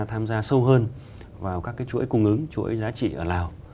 tham gia sâu hơn vào các cái chuỗi cung ứng chuỗi giá trị ở lào